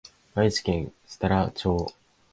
愛知県設楽町